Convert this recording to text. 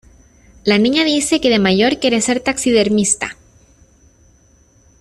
La niña dice que de mayor quiere ser taxidermista.